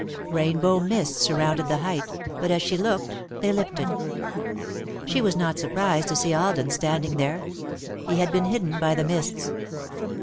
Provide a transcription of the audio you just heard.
Rainbow mists surrounded the height, but, as she looked, they lifted. She was not surprised to see Alden standing there. He had been hidden by the mists.